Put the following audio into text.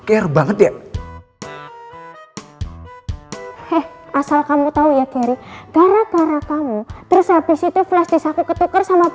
eh ya situ lah yang salah